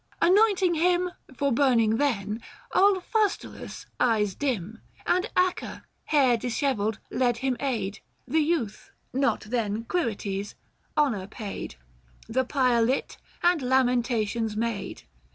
" Anointing him For burning then, old Faustulus, eyes dim, 990 And Acca, hair dishevelled, lent him aid ; The youth (not then Quirites) honour paid, The pyre lit, and 4 lamentations made.